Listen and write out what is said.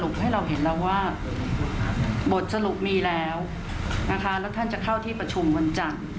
เพราะท่านจะเข้าที่ประชุมวันจัง